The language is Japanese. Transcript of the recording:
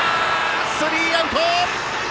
スリーアウト。